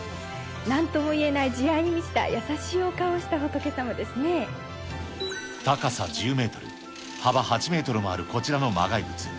なんともいえない慈愛に満ちた、高さ１０メートル、幅８メートルもあるこちらの磨崖仏。